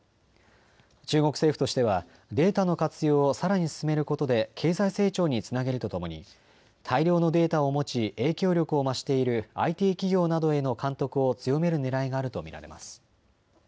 中国政府としてはデータの活用をさらに進めることで経済成長につなげるとともに大量のデータを持ち影響力を増しているＩＴ企業などへの監督を強めるねらいがあると見られます。